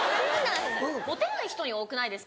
モテない人に多くないですか？